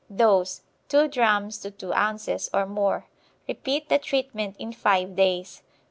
Dose, 2 drachms to 2 ounces or more. Repeat the treatment in five days.